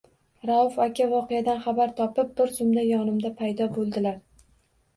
Rauf aka voqeadan xabar topib, bir zumda yonimda paydo bo’ldilar.